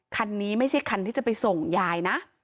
คันนี้ไม่ใช่คันที่จะไปส่งยายนะ